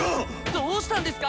どうしたんですか？